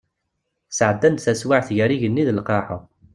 Sɛeddan-d taswiɛt gar yigenni d lqaɛa.